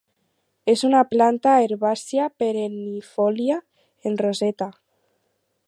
És una planta herbàcia perennifòlia en roseta.